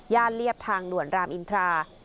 ย่านเรียบทางหน่วนรามอินทรา